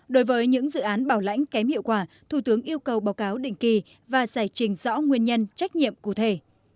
đối với những dự án bảo lãnh kém hiệu quả thủ tướng yêu cầu báo cáo định kỳ và giải trình rõ nguyên nhân trách nhiệm cụ thể